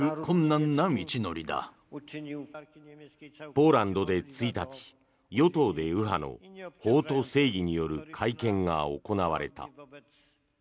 ポーランドで１日与党で右派の法と正義による会見が行われた。